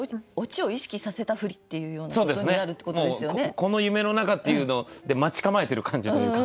この夢のなかっていうのを待ち構えてる感じというか。